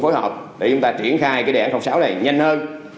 phối hợp để chúng ta triển khai cái đề án sáu này nhanh hơn